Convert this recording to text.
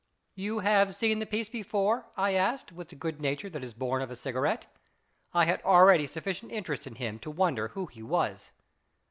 " You have seen the piece before ?" I asked, with the good nature that is born of a cigarette. I had already sufficient interest in him to wonder who he was.